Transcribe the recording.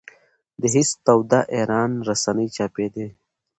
د حزب توده ایران رسنۍ چاپېدې.